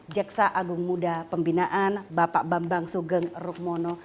jaksa agung muda pembinaan bapak bambang sugeng rukmono